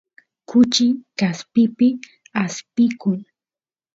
kuchi kaspipi aspiykun